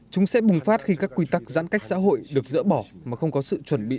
chúng sẽ bùng phát khi các quy tắc giãn cách xã hội được dỡ bỏ mà không có sự chuẩn bị